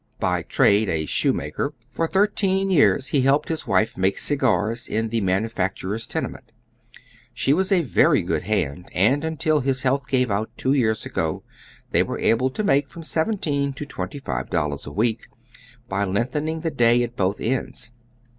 'By t] ade a shoemaker, for thirteen years he helped his wife make cigars in the manufacturer's tenement. She was a very good hand, and nntil liis health gave out two years ago they were able to make from $17 to $25 a week, by lengthen ing the day at both ends.